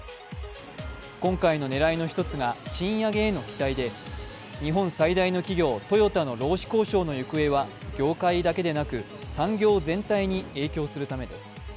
今回の狙いの一つが賃上げへの期待で日本最大の企業・トヨタの労使交渉の行方は業界だけでなく、産業全体に影響するためです。